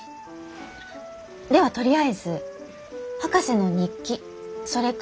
ではとりあえず博士の日記それから標本の新聞日付